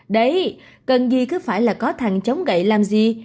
đấy cần gì cứ phải là có thẳng chống gậy làm gì